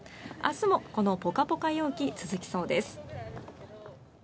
明日もこのポカポカ陽気続きそうです。